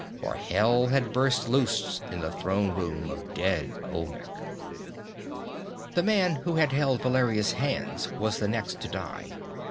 For hell had burst loose in the throne room of dead Olmec. The man who had held Valeria's hands was the next to die.